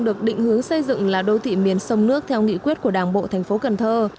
được định hướng xây dựng là đô thị miền sông nước theo nghị quyết của đảng bộ thành phố cần thơ